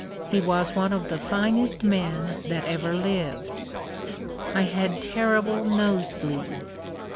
He was one of the finest men that ever lived. I had terrible nose bleeds.